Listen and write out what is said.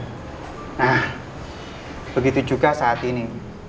nah begitu juga saat ini